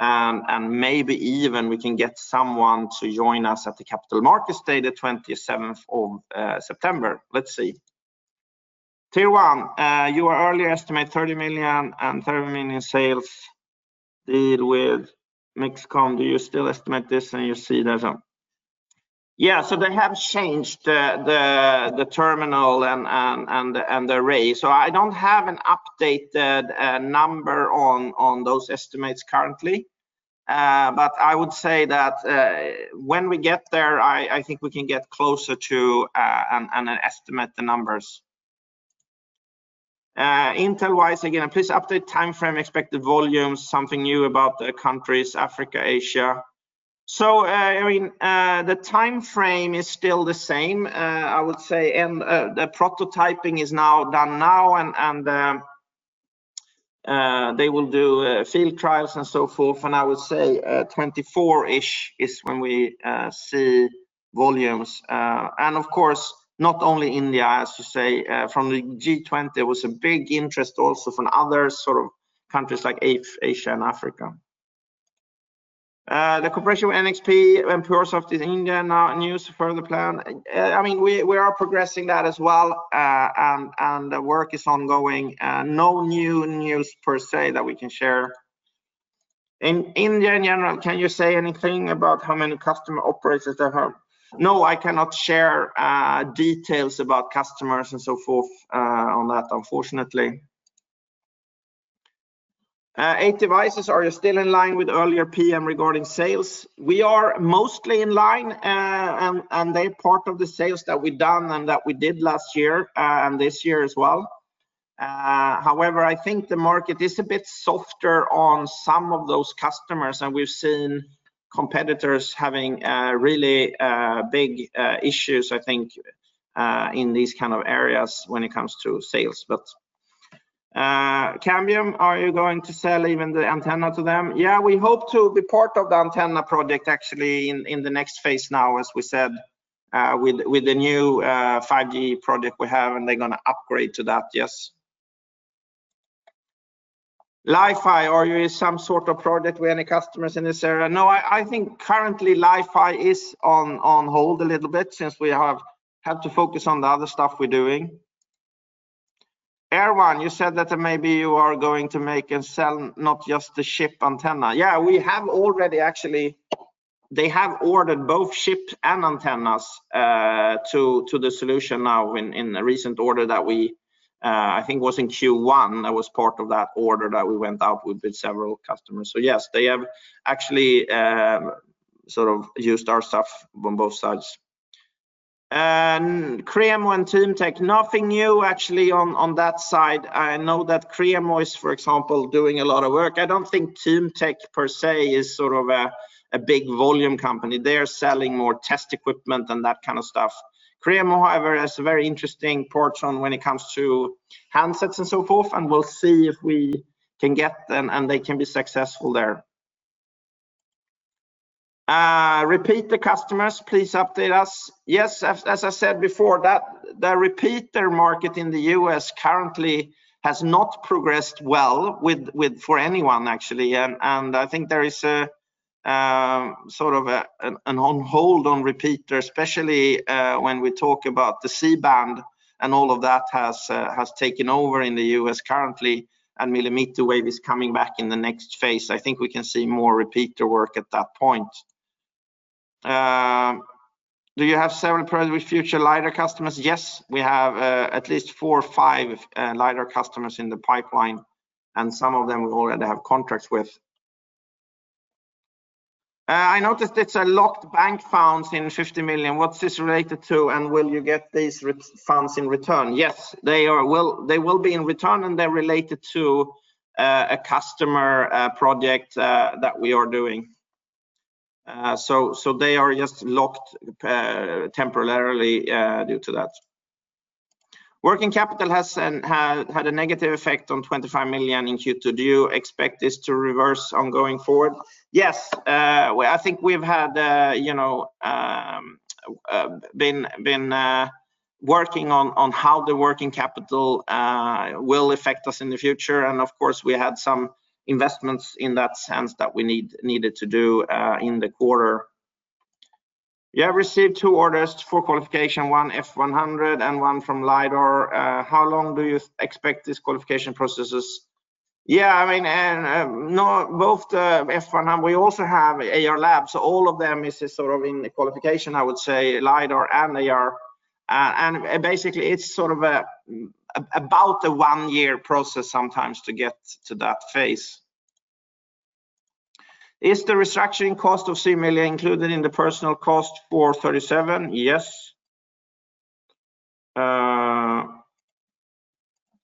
and maybe even we can get someone to join us at the Capital Markets Day, the 27th of September. Let's see. Tier One, your earlier estimate, $30 million and $30 million sales deal with MixComm. Do you still estimate this, and you see there's a... They have changed the, the, the terminal and, and, and, and the array. I don't have an updated number on, on those estimates currently. But I would say that when we get there, I, I think we can get closer to, and estimate the numbers. Intel-wise, again, please update time frame, expected volumes, something new about the countries, Africa, Asia. I mean, the time frame is still the same. I would say, the prototyping is now done now, they will do field trials and so forth. I would say, 2024-ish is when we see volumes. Of course, not only India, as to say, from the G20, there was a big interest also from other sort of countries like Asia and Africa. The cooperation with NXP and PureSoftware in India, now, news for the plan? I mean, we, we are progressing that as well, and, and the work is ongoing. No new news per se, that we can share. In India, in general, can you say anything about how many customer operators they have? No, I cannot share details about customers and so forth, on that, unfortunately. 8devices, are you still in line with earlier PM regarding sales? We are mostly in line, and, and they're part of the sales that we've done and that we did last year, and this year as well. However, I think the market is a bit softer on some of those customers, and we've seen competitors having really big issues, I think, in these kind of areas when it comes to sales. Cambium, are you going to sell even the antenna to them? Yeah, we hope to be part of the antenna project, actually, in the next phase now, as we said, with the new 5G product we have, and they're going to upgrade to that, yes. Li-Fi, are you in some sort of product with any customers in this area? No, I think currently Li-Fi is on hold a little bit since we have had to focus on the other stuff we're doing. Erwan, you said that maybe you are going to make and sell, not just the chip antenna. Yeah, we have already, actually, they have ordered both chips and antennas, to, to the solution now in, in a recent order that we, I think was in Q1, that was part of that order that we went out with, with several customers. Yes, they have actually, sort of used our stuff on both sides. KREEMO and TMYTEK, nothing new actually on, on that side. I know that KREEMO is, for example, doing a lot of work. I don't think TMYTEK, per se, is sort of a, a big volume company. They are selling more test equipment and that kind of stuff. KREEMO, however, has a very interesting portion when it comes to handsets and so forth, and we'll see if we can get them, and they can be successful there. Repeat the customers, please update us. Yes, as I said before, that the repeater market in the U.S. currently has not progressed well with, for anyone, actually. I think there is a sort of an on hold on repeater, especially when we talk about the C-band and all of that has taken over in the US currently. Millimeter wave is coming back in the next phase. I think we can see more repeater work at that point. Do you have several products with future LiDAR customers? Yes, we have at least four or five LiDAR customers in the pipeline. Some of them we already have contracts with. I noticed it's a locked bank funds in 50 million. What's this related to? Will you get these refunds in return? Yes, they will be in return, and they're related to a customer project that we are doing. They are just locked temporarily due to that. Working capital had a negative effect on 25 million in Q2. Do you expect this to reverse on going forward? Yes, well, I think we've had, you know, been working on how the working capital will affect us in the future. Of course, we had some investments in that sense that we needed to do in the quarter. You have received two orders for qualification, 1 F-one hundred and one from LiDAR. How long do you expect these qualification processes? Both the Fortune 100, we also have Ayar Labs, so all of them is sort of in the qualification, I would say, LiDAR and AR. Basically, it's sort of about a 1-year process sometimes to get to that phase. Is the restructuring cost of CE me included in the personal cost for 37? Yes.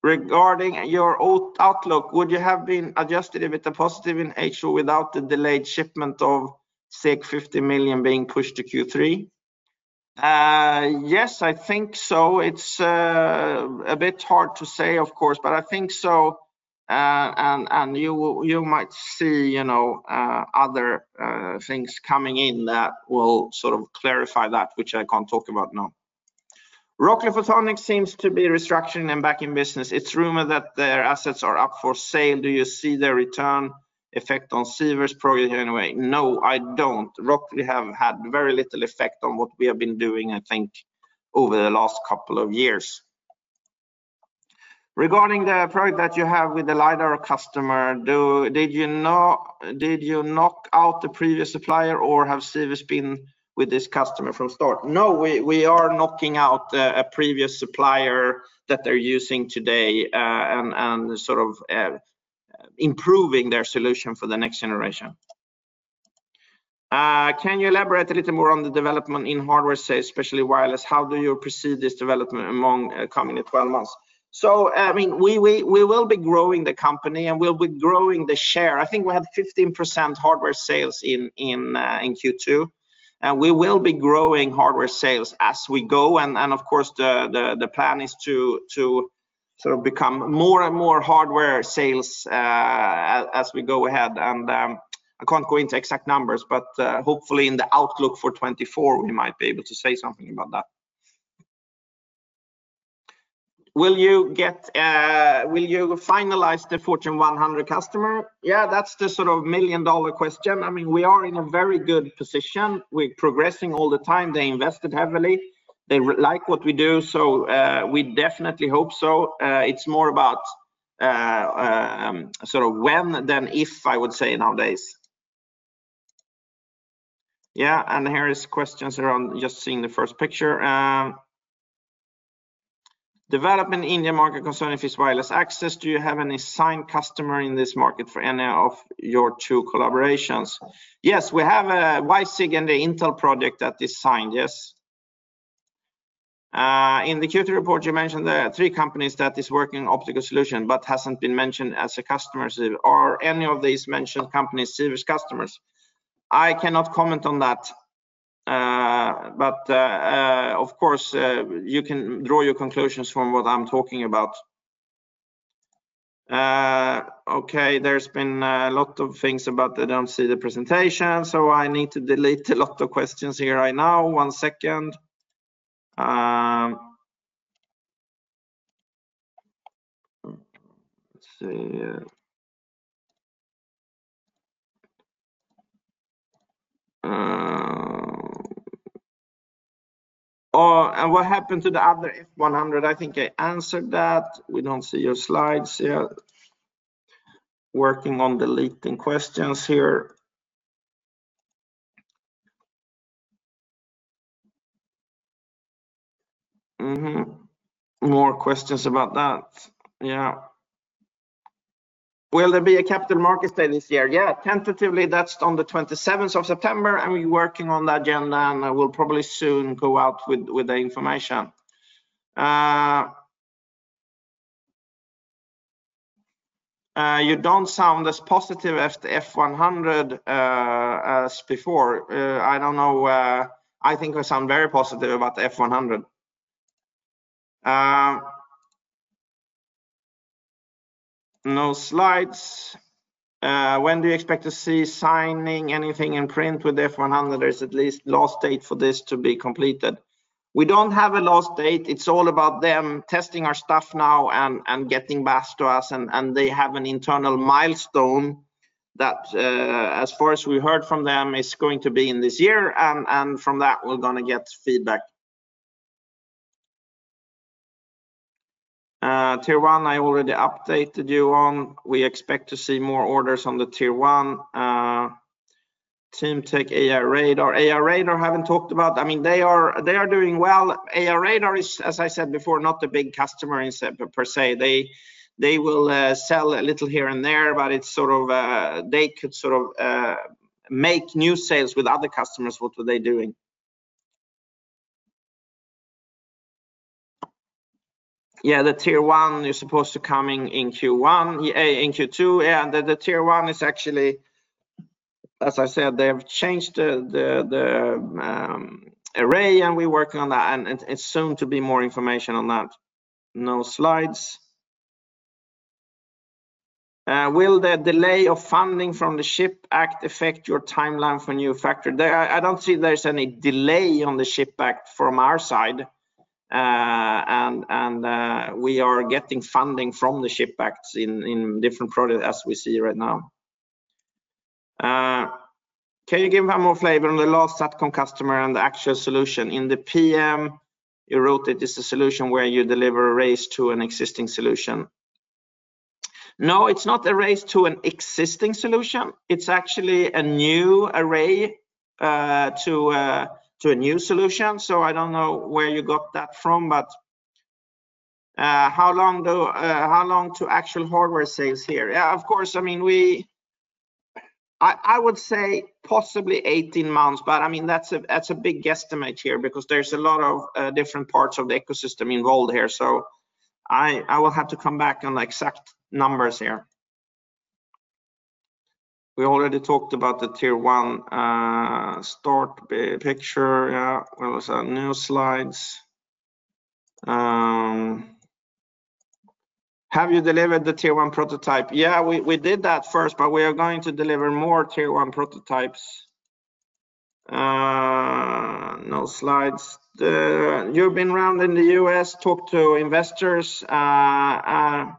Regarding your old outlook, would you have been adjusted if it's a positive in H2 without the delayed shipment of say, $50 million being pushed to Q3? Yes, I think so. It's a bit hard to say, of course, but I think so. You will, you might see, you know, other things coming in that will sort of clarify that, which I can't talk about now. Rockley Photonics seems to be restructuring and back in business. It's rumored that their assets are up for sale. Do you see their return effect on Sivers probably in any way? No, I don't. Rockley have had very little effect on what we have been doing, I think, over the last couple of years. Regarding the product that you have with the LiDAR customer, did you knock out the previous supplier, or have Sivers been with this customer from start? No, we are knocking out a previous supplier that they're using today, and sort of improving their solution for the next generation. Can you elaborate a little more on the development in hardware, say, especially wireless? How do you perceive this development among coming in 12 months? I mean, we will be growing the company, and we'll be growing the share. I think we had 15% hardware sales in, in Q2. We will be growing hardware sales as we go. Of course, the plan is to sort of become more and more hardware sales as we go ahead. I can't go into exact numbers, but hopefully, in the outlook for 2024, we might be able to say something about that. Will you get, will you finalize the Fortune 100 customer? Yeah, that's the sort of million-dollar question. I mean, we are in a very good position. We're progressing all the time. They invested heavily. They like what we do, so we definitely hope so. It's more about sort of when than if, I would say nowadays. Yeah, here is questions around just seeing the first picture. Development in the market concerning this wireless access, do you have any signed customer in this market for any of your two collaborations? Yes, we have a WiSig and the Intel project that is signed, yes. In the Q2 report, you mentioned there are three companies that is working on optical solution, but hasn't been mentioned as a customer. Are any of these mentioned companies, Sivers customers? I cannot comment on that. But, of course, you can draw your conclusions from what I'm talking about. Okay, there's been a lot of things about they don't see the presentation, so I need to delete a lot of questions here right now. One second. Let's see. Oh, what happened to the other Fortune 100? I think I answered that. We don't see your slides here. Working on deleting questions here. Mm-hmm. More questions about that. At Capital Markets Day is tentatively scheduled for September 27th, and we are working on the agenda and will soon release more information. I believe I sound very positive about the Fortune 100. We don't have a last date for signing anything in print with the Fortune 100. It's all about them testing our products and providing feedback. They have an internal milestone that, as far as we heard from them, is going to be this year. From that, we are going to get feedback Tier One, I already updated you on. We expect to see more orders on the Tier-1. TeamTech, aiRadar, aiRadar, I haven't talked about. I mean, they are, they are doing well. aiRadar is, as I said before, not a big customer per se. They, they will sell a little here and there, but it's sort of, they could sort of make new sales with other customers. What are they doing? Yeah, the Tier-1 is supposed to coming in Q1, in Q2, and the, the Tier-1 is actually. As I said, they have changed the, the, the array, and we're working on that, and, and it's soon to be more information on that. No slides. Will the delay of funding from the CHIPS Act affect your timeline for new factory? There, I don't see there's any delay on the CHIPS Act from our side. We are getting funding from the CHIPS Acts in different products as we see right now. Can you give more flavor on the last SATCOM customer and the actual solution? In the PM, you wrote it is a solution where you deliver a race to an existing solution. No, it's not a race to an existing solution. It's actually a new array to a new solution. I don't know where you got that from, how long, though, how long to actual hardware sales here? Yeah, of course, I mean, I would say possibly 18 months, but, I mean, that's a big guesstimate here because there's a lot of different parts of the ecosystem involved here. I, I will have to come back on exact numbers here. We already talked about the Tier-1 start picture. Yeah, where was that? No slides. Have you delivered the Tier-1 prototype? Yeah, we, we did that first, but we are going to deliver more Tier-1 prototypes. No slides. You've been around in the U.S., talked to investors. Are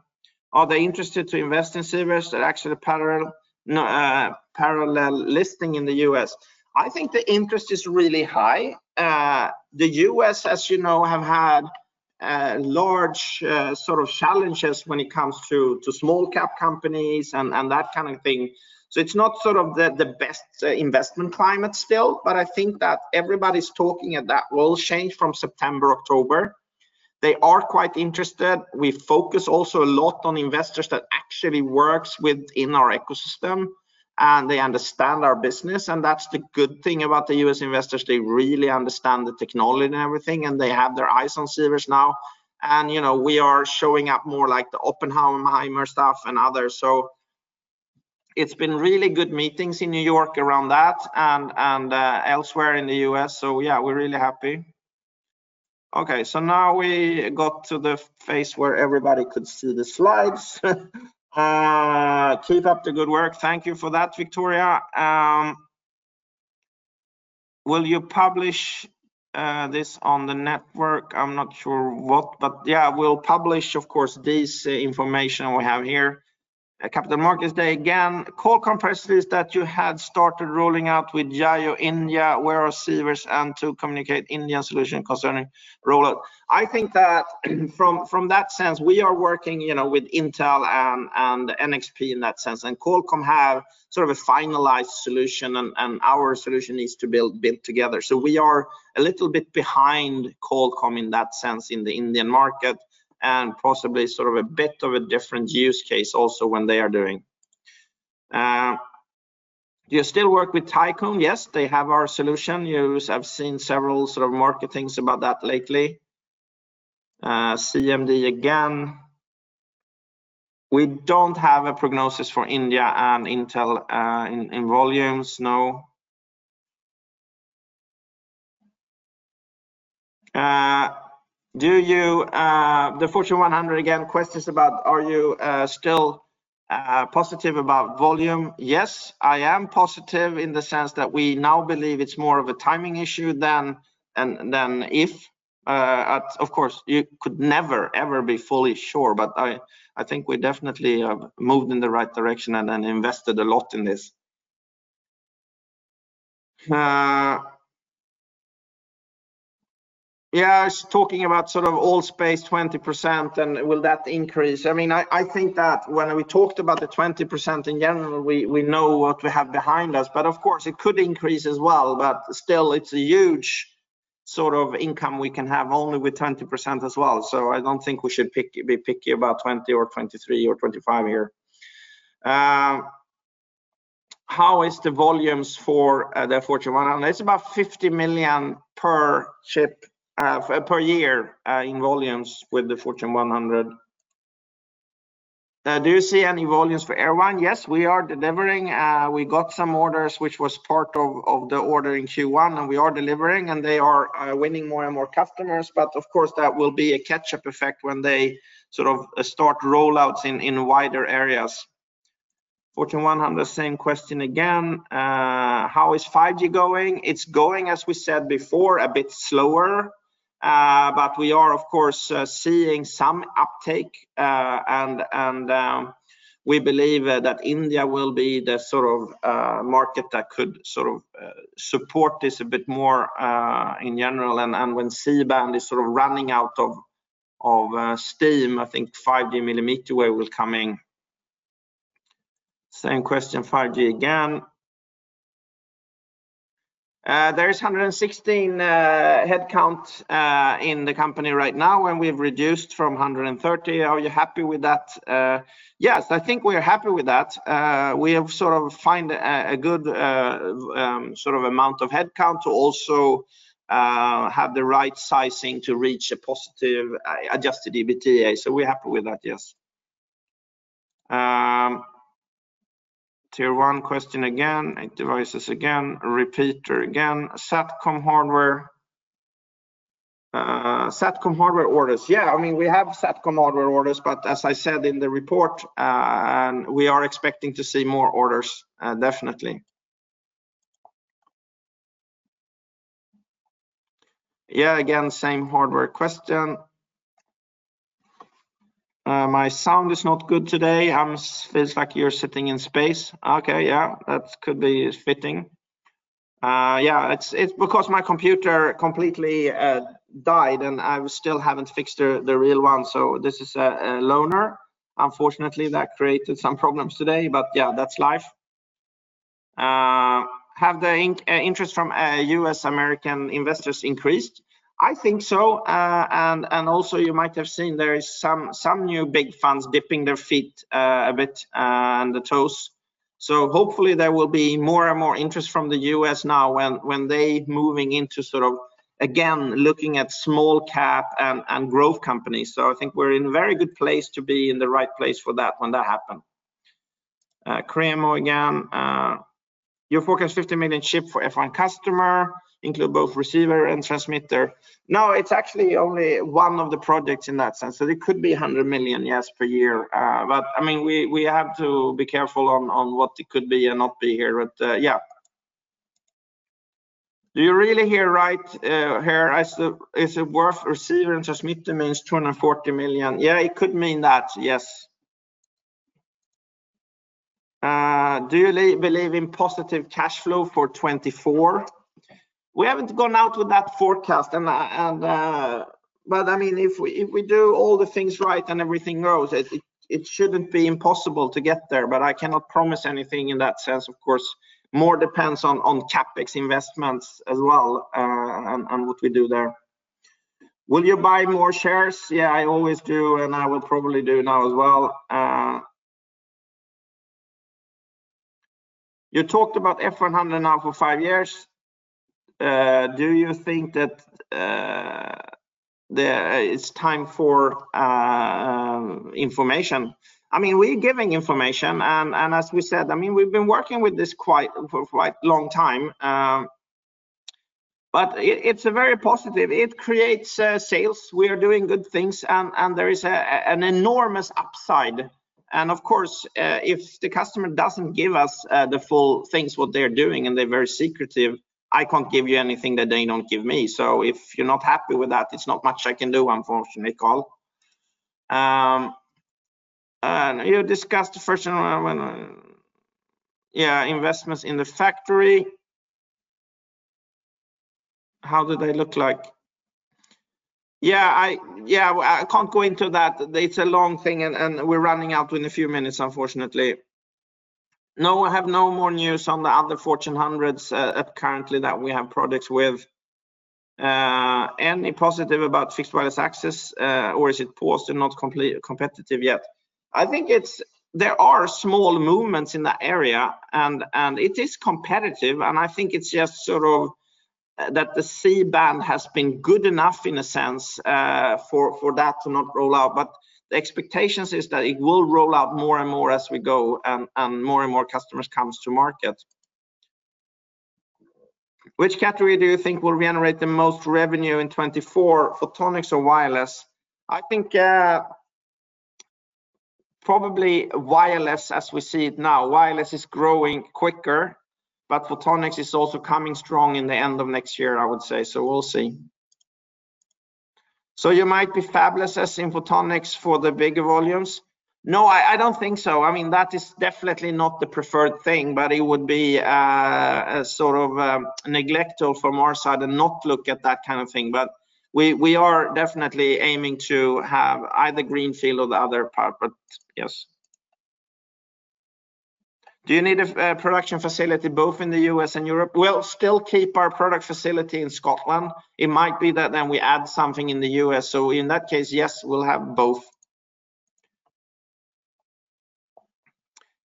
they interested to invest in Cerius? They're actually a parallel, no, parallel listing in the US. I think the interest is really high. The U.S., as you know, have had large sort of challenges when it comes to small cap companies and that kind of thing. It's not sort of the best investment climate still, but I think that everybody's talking, and that will change from September, October. They are quite interested. We focus also a lot on investors that actually works within our ecosystem, and they understand our business, and that's the good thing about the U.S. investors. They really understand the technology and everything, and they have their eyes on Cerius now, and, you know, we are showing up more like the Oppenheimer stuff and others. It's been really good meetings in New York around that and, and elsewhere in the U.S. Yeah, we're really happy. Now we got to the phase where everybody could see the slides. Keep up the good work. Thank you for that, Victoria. Will you publish this on the network? I'm not sure what, but yeah, we'll publish, of course, this information we have here. Capital Markets Day again. Qualcomm presses that you had started rolling out with Jio India, where are Cerius, and to communicate Indian solution concerning rollout? I think that from, from that sense, we are working, you know, with Intel and NXP in that sense, and Qualcomm have sort of a finalized solution, and our solution is to build together. We are a little bit behind Qualcomm in that sense, in the Indian market, and possibly sort of a bit of a different use case also, when they are doing. Do you still work with Tachyon? Yes, they have our solution. You have seen several sort of market things about that lately. CMD, again, we don't have a prognosis for India and Intel in volumes, no. Do you, the Fortune 100 again, questions about: are you still positive about volume? Yes, I am positive in the sense that we now believe it's more of a timing issue than, than if. Of course, you could never, ever be fully sure, but I, I think we definitely have moved in the right direction and, and invested a lot in this. It's talking about sort of ALL.SPACE, 20%, and will that increase? I mean, I, I think that when we talked about the 20% in general, we, we know what we have behind us, but of course, it could increase as well. Still, it's a huge sort of income we can have only with 20% as well, so I don't think we should be picky about 20 or 23 or 25 here. How is the volumes for the Fortune 100? It's about 50 million per chip, per year, in volumes with the Fortune 100. Do you see any volumes for Airvine? Yes, we are delivering. We got some orders which was part of, of the order in Q1, and we are delivering, and they are winning more and more customers. Of course, that will be a catch-up effect when they sort of start rollouts in, in wider areas. Fortune 100, same question again. How is 5G going? It's going, as we said before, a bit slower, but we are of course, seeing some uptake, we believe that India will be the sort of, market that could sort of, support this a bit more, in general. When C-Band is sort of running out of, of steam, I think 5G mmWave will come in. Same question, 5G again. There is 116 headcount in the company right now, and we've reduced from 130. Are you happy with that? Yes, I think we are happy with that. We have sort of find a, a good, sort of amount of headcount to also have the right sizing to reach a positive adjusted EBITDA. We're happy with that, yes. Tier-1 question again, 8devices again, repeater again. SATCOM hardware, SATCOM hardware orders? Yeah, I mean, we have SATCOM hardware orders, but as I said in the report, and we are expecting to see more orders, definitely. Yeah, again, same hardware question. My sound is not good today. Hans, feels like you're sitting in space. Okay, yeah, that could be fitting. Yeah, it's because my computer completely died, and I still haven't fixed the real one, so this is a loaner. Unfortunately, that created some problems today, but, yeah, that's life. Have the interest from U.S. American investors increased? I think so. Also you might have seen there is some new big funds dipping their feet a bit, and the toes. Hopefully there will be more and more interest from the U.S. now, when they moving into sort of, again, looking at small cap and growth companies. I think we're in a very good place to be in the right place for that when that happen. KREEMO again, your forecast $50 million ship for F1 customer include both receiver and transmitter? No, it's actually only one of the projects in that sense. It could be $100 million, yes, per year. I mean, we, we have to be careful on, on what it could be and not be here, but yeah. Do you really hear right here? Is it, is it worth receiver and transmitter means $240 million? Yeah, it could mean that, yes. Do you believe in positive cash flow for 2024? We haven't gone out with that forecast. I mean, if we, if we do all the things right and everything goes, it, it, it shouldn't be impossible to get there, but I cannot promise anything in that sense. Of course, more depends on CapEx investments as well, and what we do there. Will you buy more shares? Yeah, I always do, and I will probably do now as well. You talked about F100 now for 5 years. Do you think that it's time for information? I mean, we're giving information, and as we said, I mean, we've been working with this quite, for quite long time, but it's a very positive. It creates sales. We are doing good things, and there is an enormous upside. Of course, if the customer doesn't give us the full things, what they're doing, and they're very secretive, I can't give you anything that they don't give me. If you're not happy with that, it's not much I can do, unfortunately, Carl. You discussed the first one when. Yeah, investments in the factory. How do they look like? Yeah, I can't go into that. It's a long thing, and, and we're running out in a few minutes, unfortunately. No, I have no more news on the other Fortune hundreds, currently, that we have products with. Any positive about fixed wireless access, or is it paused and not competitive yet? I think there are small movements in that area, and, and it is competitive, and I think it's just sort of that the C-band has been good enough in a sense, for that to not roll out. The expectations is that it will roll out more and more as we go, and, and more and more customers comes to market. Which category do you think will generate the most revenue in 2024, photonics or wireless? I think probably wireless, as we see it now. Wireless is growing quicker, but photonics is also coming strong in the end of next year, I would say. We'll see. You might be fabless as in photonics for the bigger volumes? No, I, I don't think so. I mean, that is definitely not the preferred thing, but it would be a sort of neglect from our side to not look at that kind of thing. We, we are definitely aiming to have either greenfield or the other part, but yes. Do you need a production facility, both in the U.S. and Europe? We'll still keep our product facility in Scotland. It might be that then we add something in the U.S. In that case, yes, we'll have both.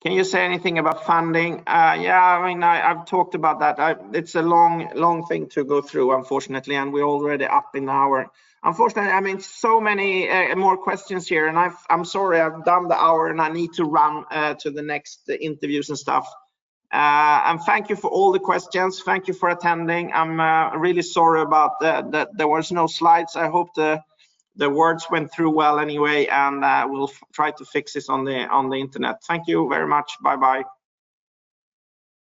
Can you say anything about funding? Yeah, I mean, I, I've talked about that. It's a long, long thing to go through, unfortunately, and we're already up an hour. Unfortunately, I mean, so many more questions here, and I'm sorry, I've done the hour, and I need to run to the next interviews and stuff. Thank you for all the questions. Thank you for attending. I'm really sorry about the, the, there was no slides. I hope the, the words went through well anyway, and we'll try to fix this on the, on the internet. Thank you very much. Bye-bye.